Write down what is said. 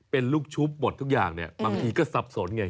เป็นลูกชุบหมดทุกอย่างเนี่ยบางทีก็สับสนไง